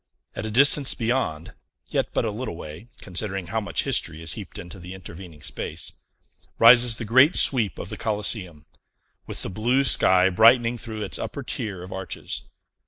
At a distance beyond yet but a little way, considering how much history is heaped into the intervening space rises the great sweep of the Coliseum, with the blue sky brightening through its upper tier of arches.